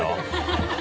ハハハ